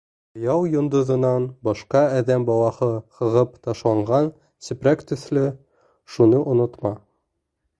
Хыял йондоҙонан башҡа әҙәм балаһы һығып ташланған сепрәк төҫлө, шуны онотма.